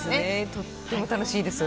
とても楽しいです。